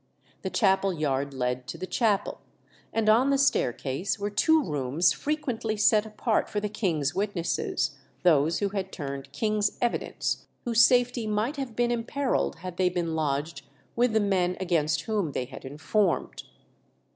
The chapel yard led to the chapel, and on the staircase were two rooms frequently set apart for the king's witnesses, those who had turned king's evidence, whose safety might have been imperilled had they been lodged with the men against whom they had informed.